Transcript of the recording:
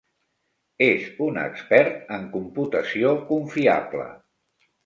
És un expert en computació confiable.